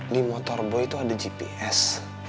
di motor boy itu ada gps